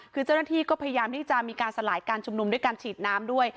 คือเจ้าหน้าที่ก็พยายามที่จะมีการสลายการชุมนุมด้วยการฉีดน้ำด้วย